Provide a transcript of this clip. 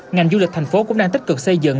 ngành du lịch thành phố cũng đang tích cực xây dựng